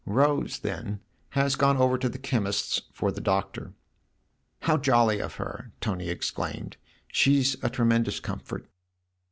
"' Rose/ then, has gone over to the chemist's for the Doctor." "How jolly of her!" Tony exclaimed. "She's a tremendous comfort."